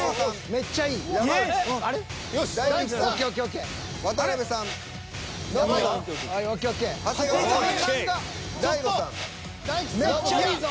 めっちゃいいぞ。